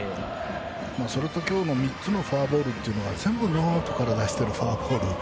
それと、今日の３つのフォアボールというのは全部ノーアウトから出しているフォアボール。